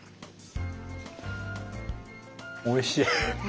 おいしい。